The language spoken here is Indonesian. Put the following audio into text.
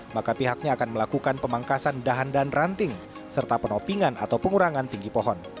maka pihaknya akan melakukan pemangkasan dahan dan ranting serta penopingan atau pengurangan tinggi pohon